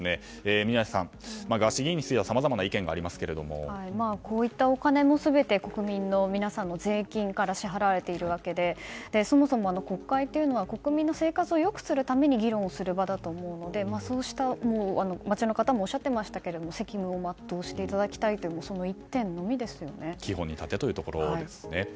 宮司さんガーシー議員についてはこういったお金も全て国民の皆さんの税金から支払われているわけでそもそも国会というのは国民の生活を良くするために議論をする場だと思うのでそうした、街の方もおっしゃっていましたけど責務を全うしていただきたいという基本に立てということですね。